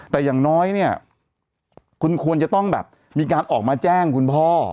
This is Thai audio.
แต่อย่างน้อยเนี่ยคุณควรจะต้องแบบมีการออกมาแจ้งคุณพ่อ